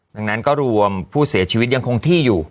ดังนั้นก็รวมผู้เสียชีวิตยังคงที่อยู่